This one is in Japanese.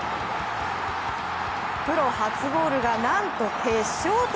プロ初ゴールがなんと決勝点。